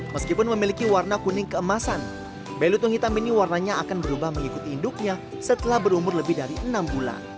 meskipun memiliki warna kuning keemasan bayi lutung hitam ini warnanya akan berubah mengikuti induknya setelah berumur lebih dari enam bulan